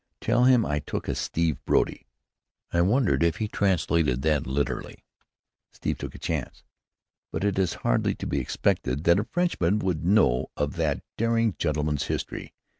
"Tell him I took a Steve Brody." I wondered if he translated that literally. Steve took a chance, but it is hardly to be expected that a Frenchman would know of that daring gentleman's history.